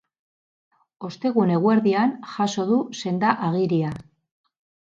Ostegun eguerdian jaso du senda-agiria.